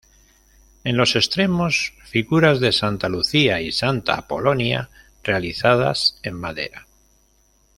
En los extremos, figuras de Santa Lucía y Santa Apolonia realizadas en madera.